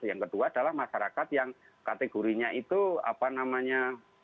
yang kedua adalah masyarakat yang kategorinya itu apa namanya